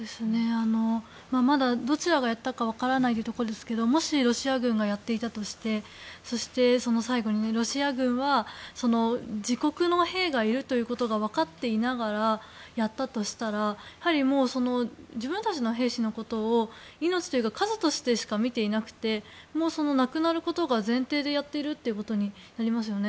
まだどちらがやったか分からないというところですがもしロシア軍がやったとして最後にロシア軍は自国の兵がいるということが分かっていながらやったとしたらやはり自分たちの兵士のことを命というか数としてしか見ていなくて亡くなることを前提でやっているということになりますよね。